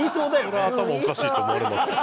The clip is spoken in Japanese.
それは頭おかしいと思われますよ。